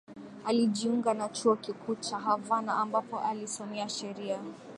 Alijiunga na Chuo Kikuu cha Havana ambapo alisomea Sheria